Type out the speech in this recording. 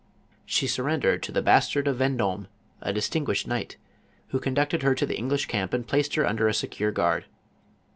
She surrendered to the bastard of Ven dorne, a distinguished knight, who conducted her to the English camp and placed her under a secure guard.